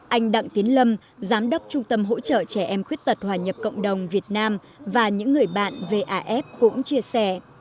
anh đặng tiến lâm giám đốc trung tâm hỗ trợ trẻ em khuyết tật hòa nhập cộng đồng việt nam và những người bạn vaf cũng chia sẻ